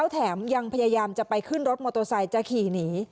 แถมยังพยายามจะไปขึ้นรถมอเตอร์ไซค์จะขี่หนี